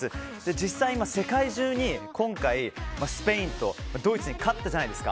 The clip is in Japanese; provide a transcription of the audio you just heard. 実際に今、世界中に今回スペインとドイツに勝ったじゃないですか。